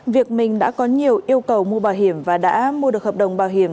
việc mình đã có nhiều yêu cầu mua bảo hiểm và đã mua được hợp đồng bảo hiểm